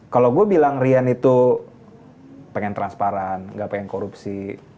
kalau gue bilang rian itu pengen transparan gak pengen korupsi